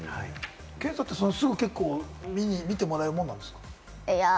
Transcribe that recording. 検査って結構すぐ診てもらえるもんなんですか？